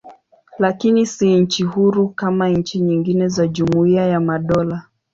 Lakini si nchi huru kama nchi nyingine za Jumuiya ya Madola.